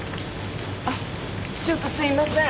あちょっとすみません。